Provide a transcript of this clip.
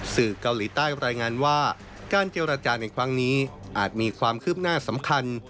สื่อเกาหลีใต้รายงานว่าการเจรจาในครั้งนี้อาจมีความคืบหน้าสำคัญ